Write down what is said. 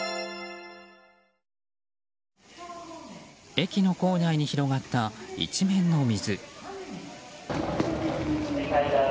駅の構内に広がった一面の水。